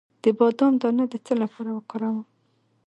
د بادام دانه د څه لپاره وکاروم؟